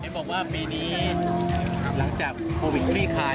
บอกว่าปีนี้หลังจากโควิดคลี่คลาย